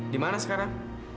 di mana sekarang